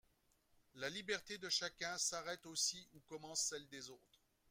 La liberté de chacun s’arrête aussi où commence celle des autres.